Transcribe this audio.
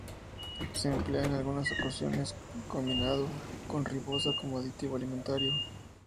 Se emplea en algunas ocasiones combinado con ribosa como aditivo alimentario.